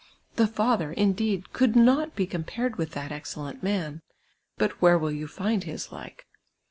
The father, indeed, could not be com])ared with that excellent man ; but where will you find his like